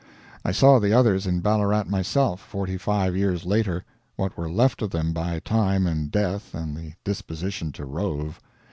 I saw the others in Ballarat myself, forty five years later what were left of them by time and death and the disposition to rove.